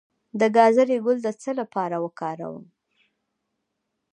د ګازرې ګل د څه لپاره وکاروم؟